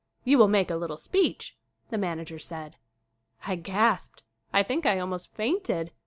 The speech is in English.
"You will make a little speech," the manager said. I gasped. I think I almost fainted.